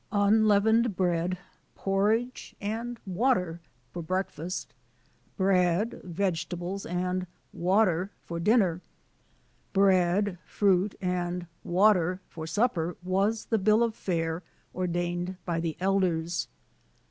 Unleavened bread, porridge, and water for breakfast; bread, vegetables, and water for din ner; bread, fruit, and water for supper was the bill of fare ordained by the elders.